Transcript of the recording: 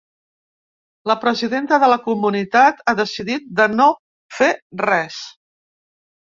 La presidenta de la comunitat ha decidit de no fer res.